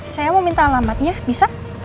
saya mau minta alamatnya bisa